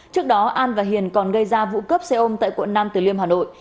trước đó an và hiền còn gây ra vụ cướp xe ôm tại quận nam từ liêm hà nội